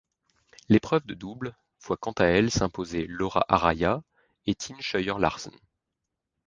L'épreuve de double voit quant à elle s'imposer Laura Arraya et Tine Scheuer-Larsen.